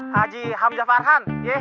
haji hamzah farhan